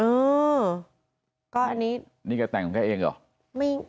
อืมก็อันนี้นี่ก็แต่งของแม่เองหรอ